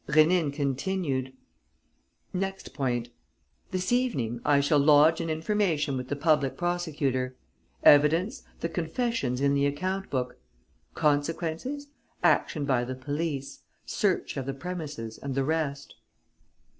Rénine continued: "Next point. This evening, I shall lodge an information with the public prosecutor. Evidence: the confessions in the account book. Consequences: action by the police, search of the premises and the rest."